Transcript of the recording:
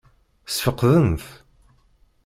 Ssfeqden-t?